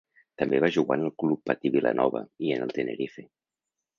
També va jugar en el Club Patí Vilanova, i en el Tenerife.